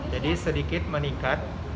jadi sedikit meningkat